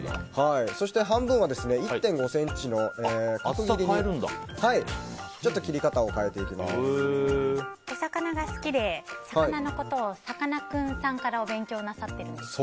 そして半分は１．５ｃｍの厚切りにお魚が好きで魚のことを、さかなクンさんからお勉強なさっているんですよね。